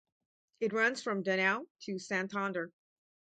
It runs from Danao to Santander.